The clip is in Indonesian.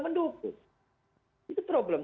mendukung itu problem